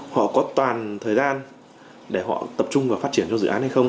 họ có toàn thời gian để họ tập trung và phát triển cho dự án hay không